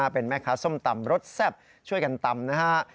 เป็นแม่ค้าส้มตำรสแซ่บช่วยกันตำนะฮะ